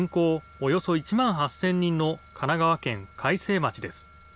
およそ１万８０００人の神奈川県開成町です。